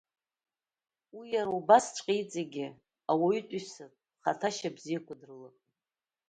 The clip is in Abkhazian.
Уи иара убасҵәҟьа иҵегь ауаҩытәыҩсатә хаҭашьа бзиақәа дрылаҟан…